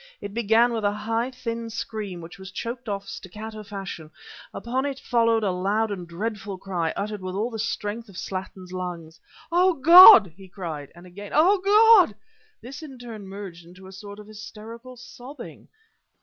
It began with a high, thin scream, which was choked off staccato fashion; upon it followed a loud and dreadful cry uttered with all the strength of Slattin's lungs "Oh, God!" he cried, and again "Oh, God!" This in turn merged into a sort of hysterical sobbing.